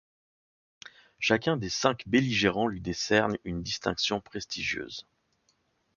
Chacun des cinq belligérants lui décerne une distinction prestigieuse.